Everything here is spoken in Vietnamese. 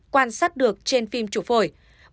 quan sát được trên phim chủ phổi